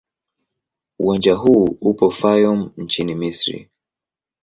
Uwanja huu upo Fayoum nchini Misri.